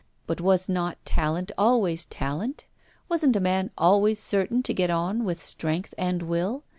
But was not talent always talent? Wasn't a man always certain to get on with strength and will?